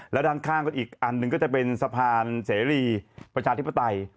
แล้วด้านข้างก็อีกอันหนึ่งก็จะเป็นสะพานเสรีประชาธิปไตย